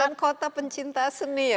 dan kota pencinta seni ya